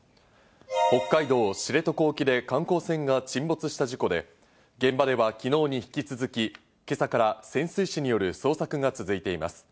北海道知床沖で観光船が沈没した事故で、現場では昨日に引き続き今朝から潜水士による捜索が続いています。